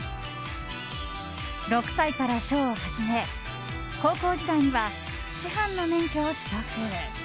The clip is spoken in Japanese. ６歳から書を始め高校時代には師範の免許を取得。